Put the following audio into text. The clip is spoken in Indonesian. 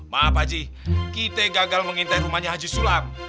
maaf pak ji kita gagal mengintai rumahnya haji sulam